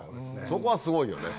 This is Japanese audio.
そこはすごいよね。